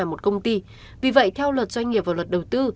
một công ty vì vậy theo luật doanh nghiệp và luật đầu tư